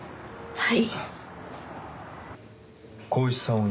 はい。